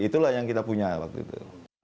itulah yang kita punya waktu itu